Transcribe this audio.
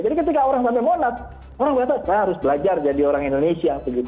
jadi ketika orang sampai monas orang berpikir saya harus belajar jadi orang indonesia